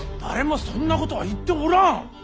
誰もそんなことは言っておらん。